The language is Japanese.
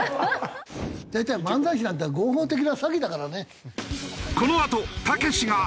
大体漫才師なんて合法的な詐欺だからね。